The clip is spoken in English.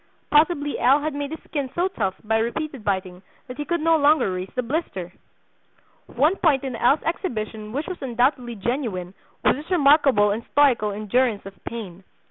(Possibly L. had made his skin so tough by repeated biting that he could no longer raise the blister!) "One point in L.'s exhibition which was undoubtedly genuine was his remarkable and stoical endurance of pain.